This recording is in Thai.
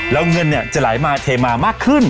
และเงินจะไหลมาเทมากขึ้น